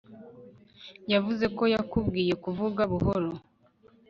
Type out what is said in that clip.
Yavuze ko yakubwiye kuvuga buhoro